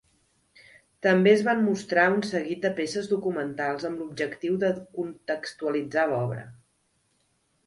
També es van mostrar un seguit de peces documentals amb l'objectiu de contextualitzar l'obra.